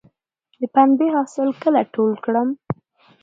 د پنبې حاصل کله ټول کړم؟